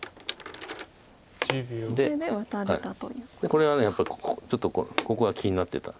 これはやっぱりちょっとここが気になってた。